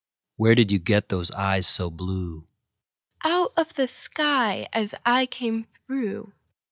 Where did you get those eyes so blue? Out of the sky as I came through.